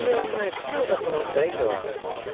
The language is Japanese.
来ないかと思ったよ、今日は。